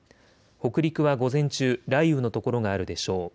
北陸は午前中、雷雨の所があるでしょう。